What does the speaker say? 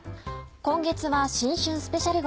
今月は新春スペシャル号。